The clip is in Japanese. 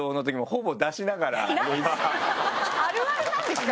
あるあるなんですか？